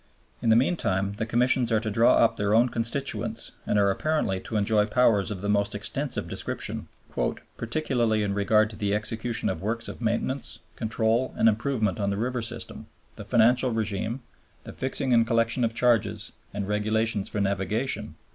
" In the meantime the Commissions are to draw up their own constitutions and are apparently to enjoy powers of the most extensive description, "particularly in regard to the execution of works of maintenance, control, and improvement on the river system, the financial rÈgime, the fixing and collection of charges, and regulations for navigation."